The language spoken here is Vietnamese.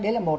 đấy là một